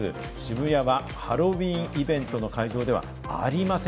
「渋谷はハロウィーンイベントの会場ではありません」。